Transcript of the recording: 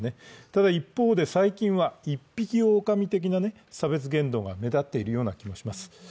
ただ一方で、最近は一匹おおかみ的な差別言動が目立っているように思います。